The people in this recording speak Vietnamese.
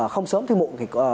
không sớm thì muộn